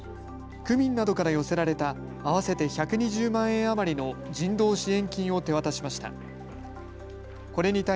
区民などから寄せられた合わせて１２０万円余りの人道支援金を手渡しました。